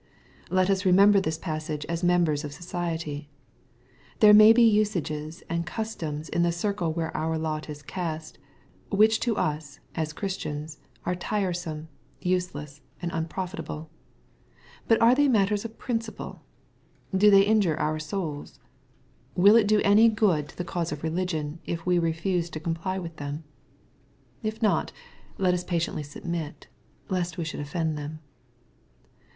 Let us remember this passage as members of society. There may be usages and customs in the circle where our lot is cast, which to us, as Christians, are tiresome, use less, and unprofitable. But are they matters of principle ? Do they injure our souls ? Will it do any good to the cause of religion, if we refuse to comply with them ? If not, let us patiently submit, " lest we should offend them.'